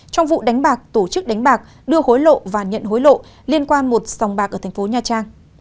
trong vụ đánh bạc tổ chức đánh bạc đưa hối lộ và nhận hối lộ liên quan một sòng bạc ở thành phố nha trang